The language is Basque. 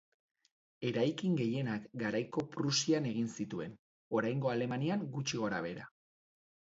Eraikin gehienak garaiko Prusian egin zituen, oraingo Alemanian gutxi gorabehera.